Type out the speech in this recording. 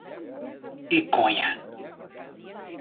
Iconha